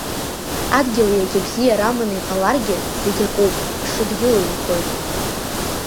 Адгьыл иагьа бзиара аманы иҟаларгьы, Зегь акоуп ишыдгьылу инхоит.